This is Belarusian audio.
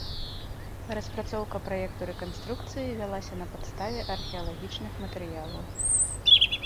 Распрацоўка праекту рэканструкцыі вялася на падставе археалагічных матэрыялаў.